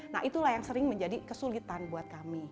nah itulah yang sering menjadi kesulitan buat kami